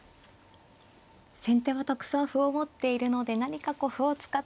先手はたくさん歩を持っているので何かこう歩を使った。